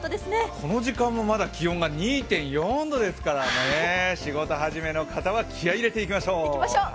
この時間もまだ気温が２．４度ですからね、仕事始めの方は気合い入れていきましょう。